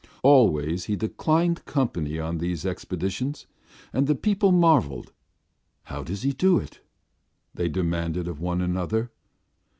Always he declined company on these expeditions, and the people marvelled. "How does he do it?" they demanded of one another.